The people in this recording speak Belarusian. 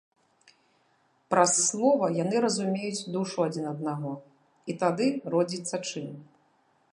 Праз слова яны разумеюць душу адзін аднаго, і тады родзіцца чын.